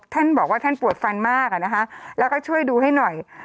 ท่านบอกว่าท่านปวดฟันมากอ่ะนะคะแล้วก็ช่วยดูให้หน่อย